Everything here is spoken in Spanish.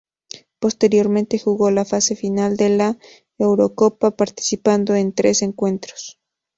Posteriormente, jugó la fase final de la Eurocopa participando en tres encuentros.